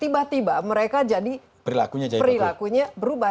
tiba tiba mereka jadi perilakunya berubah